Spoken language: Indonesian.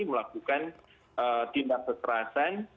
melakukan tindak keterasan